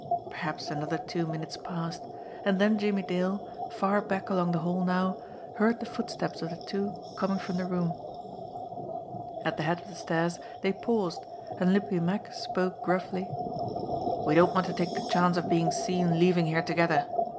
Perhaps another two minutes passed, and then Jimmie Dale, far back along the hall now, heard the footsteps of the two coming from the room. At the head of the stairs they paused, and Limpy Mack spoke gruffly: "We don't want to take the chance of being seen leaving here together.